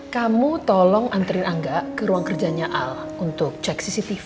kamu tolong antri angga ke ruang kerjanya al untuk cek cctv